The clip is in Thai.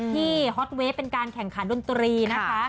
ฮอตเวฟเป็นการแข่งขันดนตรีนะคะ